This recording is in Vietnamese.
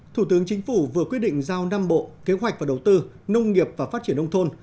thủ tướng chính phủ vừa quyết định giao năm bộ kế hoạch và đầu tư nông nghiệp và phát triển nông thôn